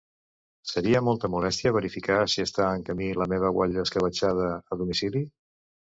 Seria molta molèstia verificar si està en camí la meva guatlla escabetxada a domicili?